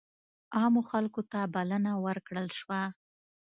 عامو خلکو ته بلنه ورکړل شوه.